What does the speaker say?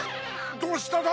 どうしただ？